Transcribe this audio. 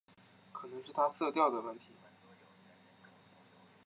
由断层陷落形成。